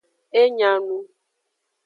E nya nu.